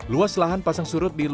luas lahan pasang surut